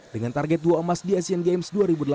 dengan target dua emas di asian games dua ribu delapan belas